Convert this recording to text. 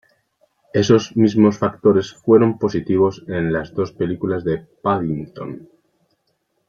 Esos mismos factores fueron positivos en las dos películas de "Paddington".